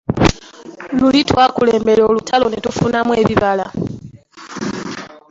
Luli twakulembera olutalo ne tufunamu ebibala.